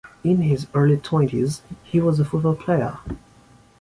In his early twenties he was a football player.